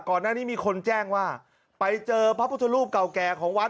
ก่อนหน้านี้มีคนแจ้งว่าไปเจอพระพุทธรูปเก่าแก่ของวัด